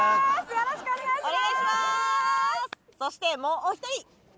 よろしくお願いします。